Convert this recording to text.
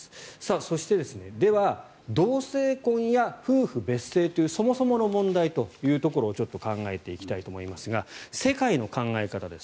そして、では同性婚や夫婦別姓というそもそもの問題というところを考えていきたいと思いますが世界の考え方です。